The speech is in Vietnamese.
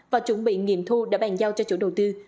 và chuẩn bị nghiệm thu đã bàn giao cho chủ đầu tư